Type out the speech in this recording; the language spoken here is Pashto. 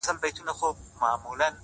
او بېوفايي ; يې سمه لکه خور وگڼه;